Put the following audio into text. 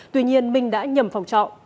tuy nhiên minh đã nhầm phòng trọ